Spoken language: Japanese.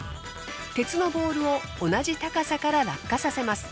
鉄のボールを同じ高さから落下させます。